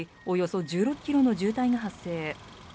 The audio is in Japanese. およそ１６キロの渋滞が発生